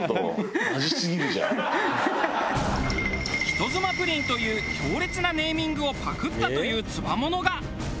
「人妻プリン」という強烈なネーミングをパクったというつわものが。